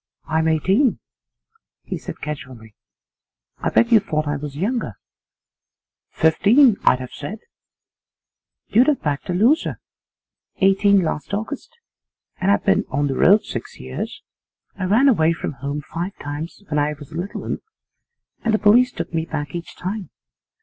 'I'm eighteen,' he said casually. 'I bet you thought I was younger.' 'Fifteen, I'd have said.' 'You'd have backed a loser. Eighteen last August, and I've been on the road six years. I ran away from home five times when I was a little 'un, and the police took me back each time.